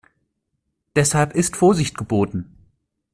Deshalb ist Vorsicht geboten.